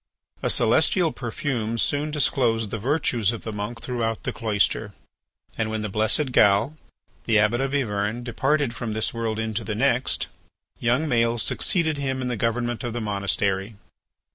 A celestial perfume soon disclosed the virtues of the monk throughout the cloister, and when the blessed Gal, the Abbot of Yvern, departed from this world into the next, young Maël succeeded him in the government of the monastery.